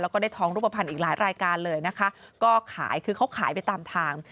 แล้วก็ได้ทองรูปภัณฑ์อีกหลายรายการเลยนะคะก็ขายคือเขาขายไปตามทาง